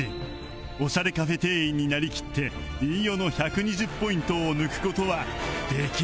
オシャレカフェ店員になりきって飯尾の１２０ポイントを抜く事はできるのか？